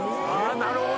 なるほど！